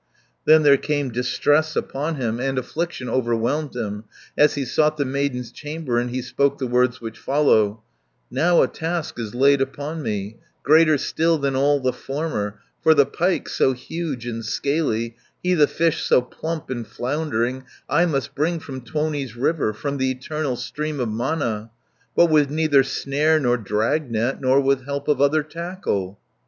Then there came distress upon him, And affliction overwhelmed him, As he sought the maiden's chamber, And he spoke the words which follow: "Now a task is laid upon me, Greater still than all the former; For the pike, so huge and scaly, He the fish so plump and floundering, 170 I must bring from Tuoni's river, From the eternal stream of Mana, But with neither snare nor drag net, Nor with help of other tackle."